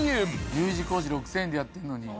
Ｕ字工事６，０００円でやってんのに。